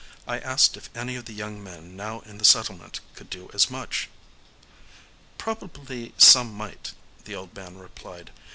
I asked if any of the young men now in the settlement could do as much. "Probably some might," the old man replied.